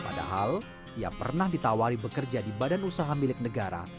padahal ia pernah ditawari bekerja di badan usaha milik negara